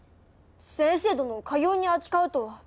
先生殿をかように扱うとは。